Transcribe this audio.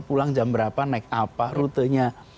pulang jam berapa naik apa rutenya